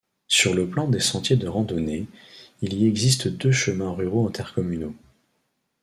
Sur le plan des sentiers de randonnée, il y existent deux chemins ruraux intercommunaux.